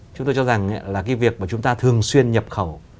chúng tôi cho rằng là cái việc mà chúng ta thường xuyên nhập khẩu